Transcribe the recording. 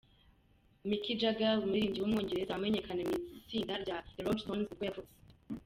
Mick Jagger, umuririmbyi w’umwongereza wamenyekanye mu itsinda rya The Rollong Stones nibwo yavutse.